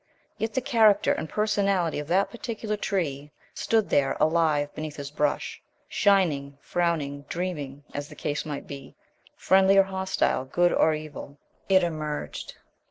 Yet the character and personality of that particular tree stood there alive beneath his brush shining, frowning, dreaming, as the case might be, friendly or hostile, good or evil. It emerged.